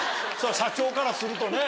社長からするとね。